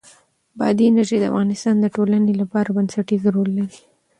بادي انرژي د افغانستان د ټولنې لپاره بنسټيز رول لري.